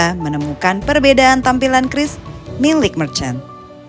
dan juga menemukan perbedaan tampilan kris milik merchant